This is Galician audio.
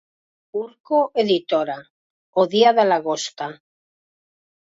Urco Editora, "O día da lagosta".